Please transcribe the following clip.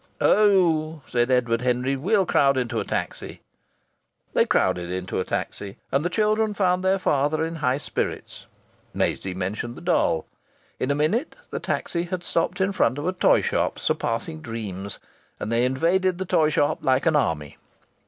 "Oh!" said Edward Henry, "we'll crowd into a taxi." They crowded into a taxi, and the children found their father in high spirits. Maisie mentioned the doll.... In a minute the taxi had stopped in front of a toy shop surpassing dreams, and they invaded the toy shop like an army.